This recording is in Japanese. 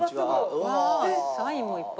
サインもいっぱい。